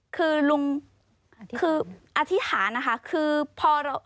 คือลุงคืออธิษฐานนะคะคือพอเรา